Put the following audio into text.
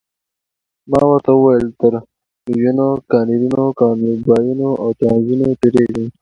ما ورته وویل تر لویینو، کانیرو، کانوبایو او ترانزانو تیریږئ.